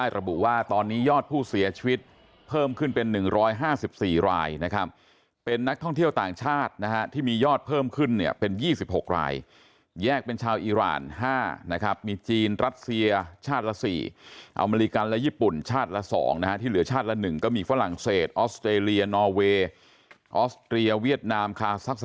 ระบุว่าตอนนี้ยอดผู้เสียชีวิตเพิ่มขึ้นเป็น๑๕๔รายนะครับเป็นนักท่องเที่ยวต่างชาตินะฮะที่มียอดเพิ่มขึ้นเนี่ยเป็น๒๖รายแยกเป็นชาวอีราน๕นะครับมีจีนรัสเซียชาติละ๔อเมริกันและญี่ปุ่นชาติละ๒นะฮะที่เหลือชาติละ๑ก็มีฝรั่งเศสออสเตรเลียนอเวย์ออสเตรียเวียดนามคาซัก